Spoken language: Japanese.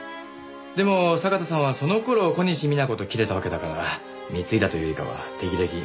でも酒田さんはその頃小西皆子と切れたわけだから貢いだというよりかは手切れ金。